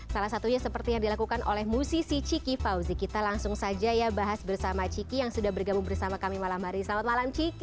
salah satunya seperti yang dilakukan oleh musisi ciki fauzi kita langsung saja ya bahas bersama ciki yang sudah bergabung bersama kami malam hari selamat malam ciki